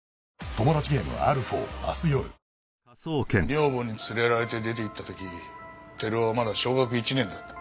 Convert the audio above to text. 女房に連れられて出て行った時照夫はまだ小学１年だった。